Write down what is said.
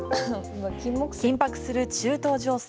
緊迫する中東情勢。